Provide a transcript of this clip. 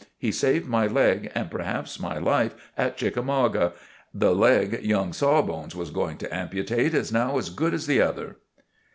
He saved my leg and perhaps my life at Chickamauga. The leg young Saw bones was going to amputate is now as good as the other."